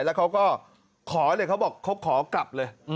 แล้วเขาก็ขอเลยเขาบอกเขาขอกลับเลย